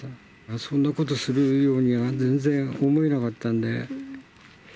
そんなことするようには全然思えなかったんで。